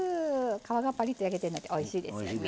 皮がパリッと焼けてるのっておいしいですよね。